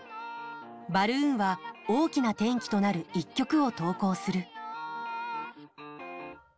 バルーンは大きな転機となる１曲を投稿する。